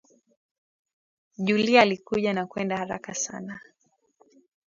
Julie alikuja na kwenda haraka sana